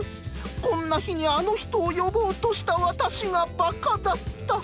こんな日にあの人を呼ぼうとした私がバカだった！